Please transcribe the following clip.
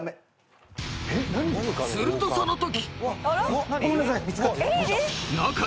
［するとそのとき］